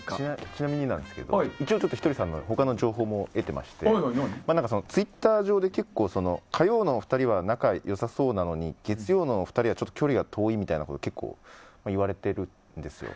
ちなみになんですけど一応、ひとりさんの他の情報も得てましてツイッター上で結構火曜のお二人は仲良さそうなのに月曜のお二人は、ちょっと距離が遠いみたいなことを言われてるみたいなんですよ